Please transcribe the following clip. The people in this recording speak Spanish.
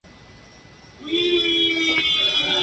Chips", protagonizado por Peter O'Toole y Petula Clark.